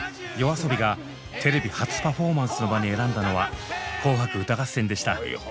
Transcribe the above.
ＹＯＡＳＯＢＩがテレビ初パフォーマンスの場に選んだのは「紅白歌合戦」でした。